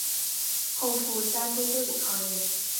后赴加州硅谷创业。